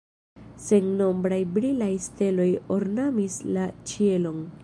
Sennombraj brilaj steloj ornamis la ĉielon.